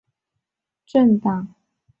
本条目列出爱沙尼亚政党。